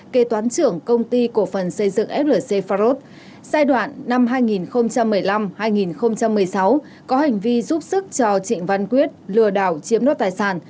kế toán trưởng công ty cổ phần xây dựng flc pharos giai đoạn năm hai nghìn một mươi năm hai nghìn một mươi sáu có hành vi giúp sức cho trịnh văn quyết lừa đảo chiếm nốt tài sản